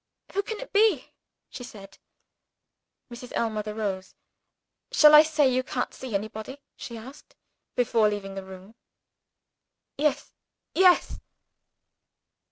"Who can it be?" she said. Mrs. Ellmother rose. "Shall I say you can't see anybody?" she asked, before leaving the room. "Yes! yes!"